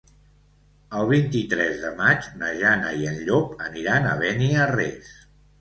El vint-i-tres de maig na Jana i en Llop aniran a Beniarrés.